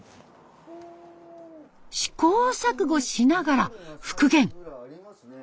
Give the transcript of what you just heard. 試行錯誤しながら復元。